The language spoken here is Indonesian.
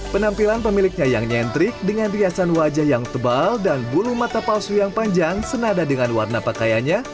penampilan pemiliknya yang nyentrik dengan riasan wajah yang tebal dan bulu mata palsu yang panjang senada dengan warna pakaiannya